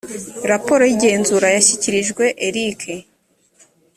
raporo y igenzura yashyikirijwe erc